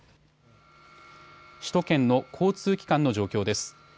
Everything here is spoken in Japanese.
首都圏の交通機関の状況です。